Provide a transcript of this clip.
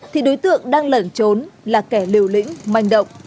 thì đối tượng đang lẩn trốn là kẻ liều lĩnh manh động